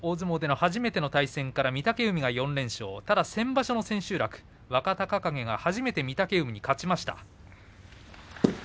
初めての対戦から御嶽海が４連勝先場所は若隆景が初めて御嶽海に勝ちました。